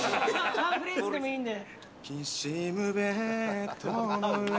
ワンフレーズでもいいんで。